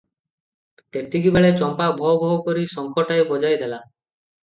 ତେତିକିବେଳେ ଚମ୍ପା ଭୋଁ, ଭୋଁ କରି ଶଙ୍ଖଟାଏ ବଜାଇ ଦେଲା ।